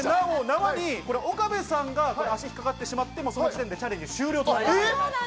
岡部さんが足引っ掛かってしまっても、その時点でチャレンジ終了となります。